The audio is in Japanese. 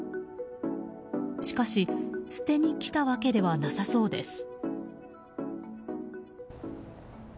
しかし、捨てに来たわけではなさそうです。